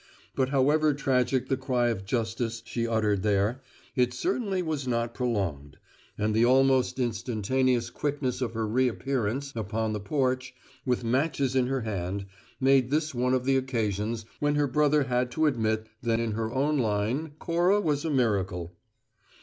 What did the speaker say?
But, however tragic the cry for justice she uttered there, it certainly was not prolonged; and the almost instantaneous quickness of her reappearance upon the porch, with matches in her hand, made this one of the occasions when her brother had to admit that in her own line Cora was a miracle.